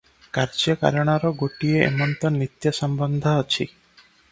କାର୍ଯ୍ୟକାରଣର ଗୋଟିଏ ଏମନ୍ତ ନିତ୍ୟ ସମ୍ବନ୍ଧ ଅଛି ।